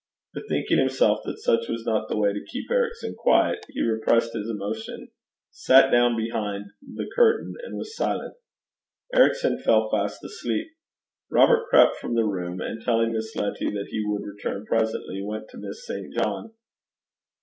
Bethinking himself that such was not the way to keep Ericson quiet, he repressed his emotion, sat down behind the curtain, and was silent. Ericson fell fast asleep. Robert crept from the room, and telling Miss Letty that he would return presently, went to Miss St. John.